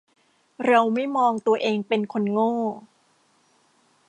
เราไม่มองตัวเองเป็นคนโง่